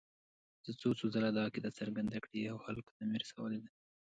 زه څو څو ځله دا عقیده څرګنده کړې او خلکو ته مې رسولې ده.